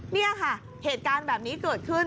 นี่ค่ะเหตุการณ์แบบนี้เกิดขึ้น